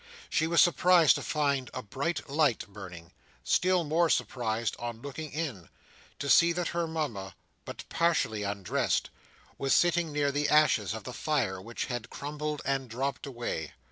She was surprised to find a bright light burning; still more surprised, on looking in, to see that her Mama, but partially undressed, was sitting near the ashes of the fire, which had crumbled and dropped away.